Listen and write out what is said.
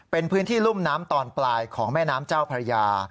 เป็นพื้นที่รุ่มน้ำตอนปลายของแม่น้ำเจ้าพระยา